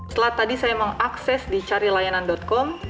setelah tadi saya mengakses di carilayanan com